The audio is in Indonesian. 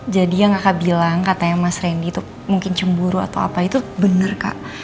jadi yang kakak bilang katanya mas randy tuh mungkin cemburu atau apa itu bener kak